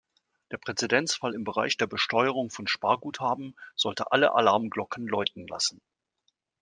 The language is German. Der Präzedenzfall im Bereich der Besteuerung von Sparguthaben sollte alle Alarmglocken läuten lassen.